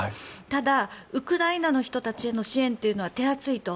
ただ、ウクライナの人たちへの支援というのは手厚いと。